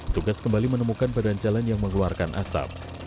tugas kembali menemukan badan jalan yang mengeluarkan asap